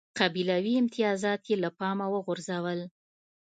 قبیلوي امتیازات یې له پامه وغورځول.